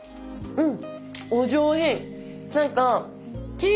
うん。